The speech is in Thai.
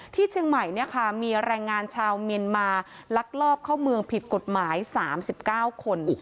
ที่เชียงใหม่มีแรงงานชาวเมียนมาลักลอบเข้าเมืองผิดกฎหมาย๓๙คน